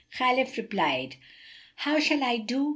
Khalif replied, "How shall I do?